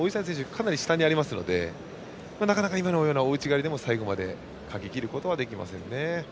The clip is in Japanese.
かなり下にありますので今のような大内刈りでも最後までかけきることはできませんね。